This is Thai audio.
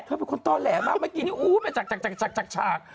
เธอเป็นคนต้อแหลมากเมื่อกี้นี่ไปจัก